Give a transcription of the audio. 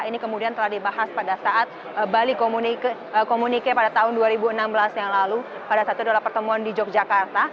ini kemudian telah dibahas pada saat bali komunikasi pada tahun dua ribu enam belas yang lalu pada saat itu adalah pertemuan di yogyakarta